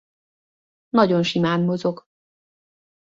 Nagyon simán mozog.